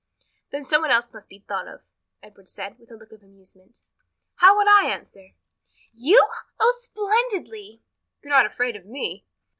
"Then some one else must be thought of," Edward said, with a look of amusement. "How would I answer?" "You? Oh, splendidly!" "You are not afraid of me?"